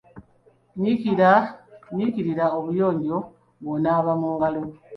Nyiikirira obuyonjo ng’onaaba mu ngalo.